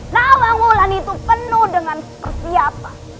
lawang ulan itu penuh dengan persiapan